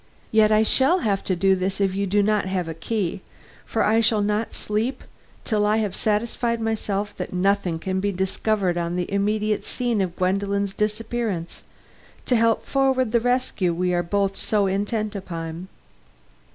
Yet I shall have to do this if you have not a key; for I shall not sleep till I have satisfied myself that nothing can be discovered on the immediate scene of Gwendolen's disappearance, to help forward the rescue we both are so intent upon."